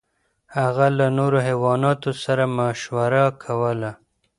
هغه له نورو حیواناتو سره مشوره کوله.